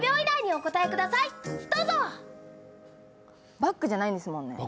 バッグじゃないんですもんね？